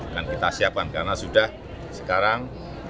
dan kita siapkan karena sudah sekarang